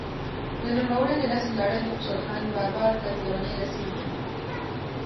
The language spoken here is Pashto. د نوموړي د نسب لړۍ د خوشحال خان بابا تر کورنۍ رسیږي.